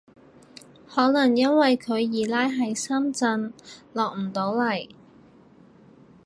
可能因為佢二奶喺深圳落唔到嚟